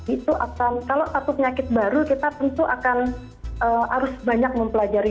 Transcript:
itu akan kalau satu penyakit baru kita tentu akan harus banyak mempelajari